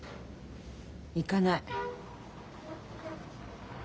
行かない。